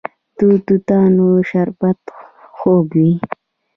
د توتانو شربت خوږ وي.